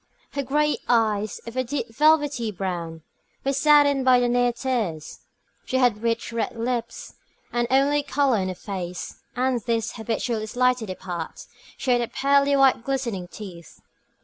Her great eyes, of a deep velvety brown, were saddened by near tears. She had rich red lips, the only colour in her face, and these, habitually slightly apart, showed pearly white glistening teeth.